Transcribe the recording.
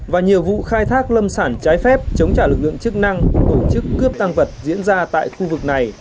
và nhiều vụ khai thác lâm sản trái phép chống trả lực lượng chức năng tổ chức cướp tăng vật diễn ra tại khu vực này